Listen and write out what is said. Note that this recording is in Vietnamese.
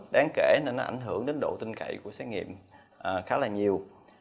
đáng kể nên nó ảnh hưởng đến độ tinh cậy của xét nghiệm khá là nhiều